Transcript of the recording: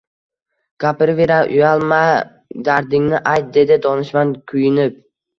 Gapiraver, uyalma, dardingni ayt, dedi donishmand kuyinib